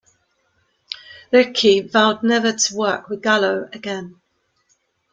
Ricci vowed to never work with Gallo again.